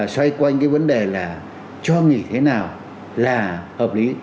xoay quanh cái vấn đề là cho nghỉ thế nào là hợp lý